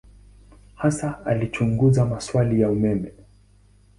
Hasa alichunguza maswali ya umeme.